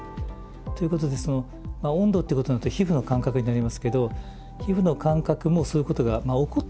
ということで温度ってことになると皮膚の感覚になりますけど皮膚の感覚もそういうことが起こってもおかしくはない。